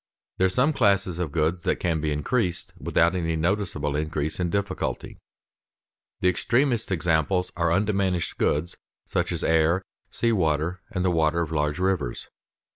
There are some classes of goods that can be increased without any noticeable increase in difficulty. The extremest examples are undiminished goods such as air, sea water, the water of large rivers.